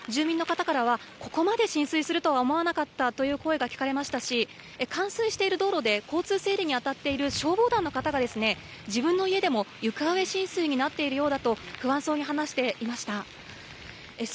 住民の方からはここまで浸水すると思わなかったという声が聞かれましたし、冠水している道路で交通整理にあたっている消防団の方が、自分の家でも床上浸水になっているようだと不安そうに話していました。